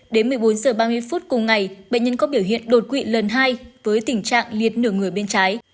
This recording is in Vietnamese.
đến một mươi bốn h ba mươi phút cùng ngày bệnh nhân có biểu hiện đột quỵ lần hai với tình trạng liệt nửa người bên trái